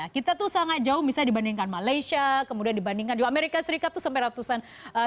kita tuh sangat jauh misalnya dibandingkan malaysia kemudian dibandingkan juga amerika serikat tuh sampai ratusan ribu